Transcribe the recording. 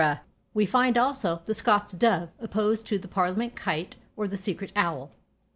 We find also, "The Scots' Dove" opposed to "The Parliament Kite," or "The Secret Owl."